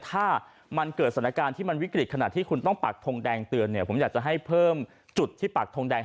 ถ้ามันเกิดสถานการณ์ที่มันวิกริกขณะที่คุณต้องปัดทงแดงผมจะให้เพิ่มจุดที่ปัดให้ให้มากกว่านี้